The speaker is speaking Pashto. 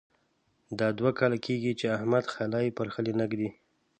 دا دوه کاله کېږې چې احمد خلی پر خلي نه اېږدي.